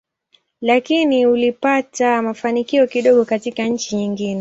Lakini ulipata mafanikio kidogo katika nchi nyingine.